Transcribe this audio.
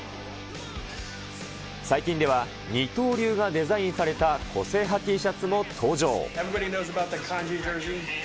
最近では、二刀流がデザインされた個性派Ｔシャツも登場。